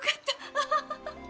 アハハハ。